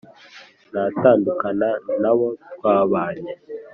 Ngatandukana nabo twabanye